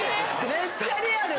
めっちゃリアル！